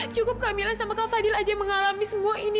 cukup camillah sama kak fadil aja mengalami semua ini